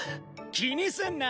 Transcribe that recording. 気にすんな！